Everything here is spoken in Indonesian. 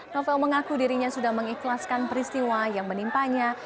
novel mengaku dirinya sudah mengikhlaskan peristiwa yang menimpanya